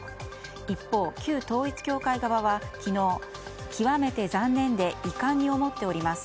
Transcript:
一方、旧統一教会側は昨日極めて残念で遺憾に思っております